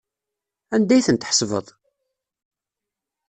Anda ay ten-tḥesbeḍ?